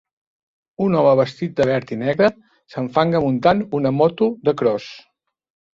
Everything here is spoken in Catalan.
Un home vestit de verd i negre s'enfanga muntant una moto de cros.